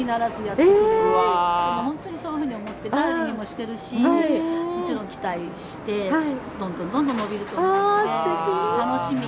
本当にそういうふうに思って頼りにもしてるしもちろん期待してどんどんどんどん伸びると思うので楽しみ。